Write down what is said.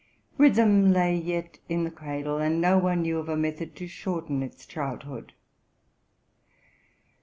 Rhythm lay yet in the er radle, and no one knew of a method to shorten its childhood.